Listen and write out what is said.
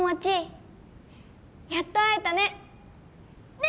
やっと会えたね！